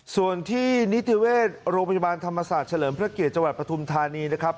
ส่วนที่นิติเวชโรงพยาบาลธรรมศาสตร์เฉลิมพระเกียรติจังหวัดปฐุมธานีนะครับ